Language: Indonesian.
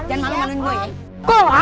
jangan maluin maluin gue ya